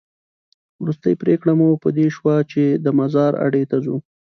وروستۍ پرېکړه مو په دې شوه چې د مزار اډې ته ځو.